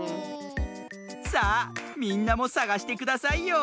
さあみんなもさがしてくださいよ。